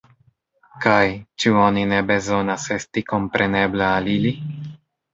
Kaj, ĉu oni ne bezonas esti komprenebla al ili?